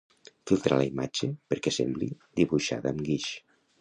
Filtrar la imatge perquè sembli dibuixada amb guix